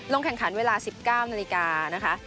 ลงแข่งขันเวลา๑๙นาฬิกา